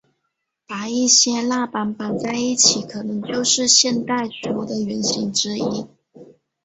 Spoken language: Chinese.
把一些蜡板绑在一起可能就是现代书的原型之一。